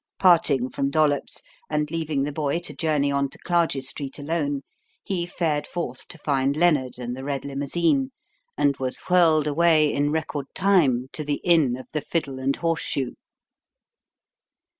Parting from Dollops, and leaving the boy to journey on to Clarges Street alone, he fared forth to find Lennard and the red limousine, and was whirled away in record time to the inn of the Fiddle and Horseshoe.